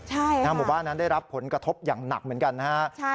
หน้าหมู่บ้านนั้นได้รับผลกระทบอย่างหนักเหมือนกันนะฮะ